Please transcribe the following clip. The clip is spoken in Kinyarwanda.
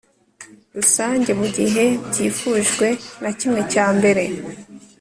Rusange mu gihe byifujwe na kimwe cya mbere